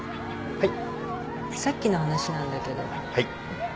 はい？